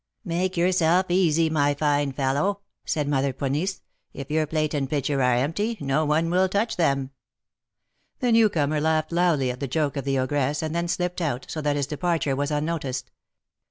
"Make yourself easy, my fine fellow," said Mother Ponisse; "if your plate and pitcher are empty, no one will touch them." The newcomer laughed loudly at the joke of the ogress, and then slipped out, so that his departure was unnoticed.